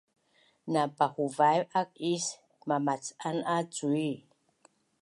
Na pahuvaiv ak is mamacan a cui